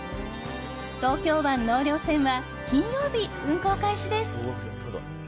東京湾納涼船は金曜日、運航開始です。